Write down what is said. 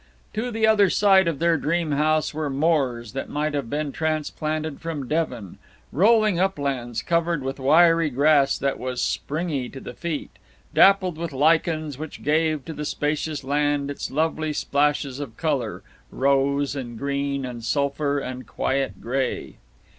To the other side of their dream house were moors that might have been transplanted from Devon, rolling uplands covered with wiry grass that was springy to the feet, dappled with lichens which gave to the spacious land its lovely splashes of color rose and green and sulphur and quiet gray.